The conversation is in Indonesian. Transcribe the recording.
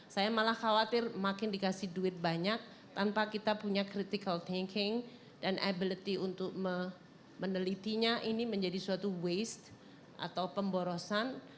saya malah khawatir makin dikasih duit banyak tanpa kita punya critical thinking dan ability untuk menelitinya ini menjadi suatu waste atau pemborosan